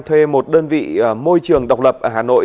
thuê một đơn vị môi trường độc lập ở hà nội